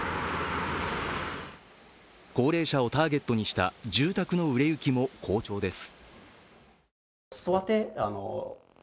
高齢者をターゲットにした住宅の売れ行きも好調です。